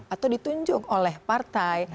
atau ditunjuk oleh partai